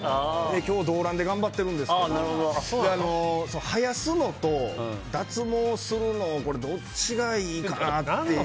今日ドーランで頑張ってるんですけど生やすのと、脱毛するのどっちがいいかなっていう。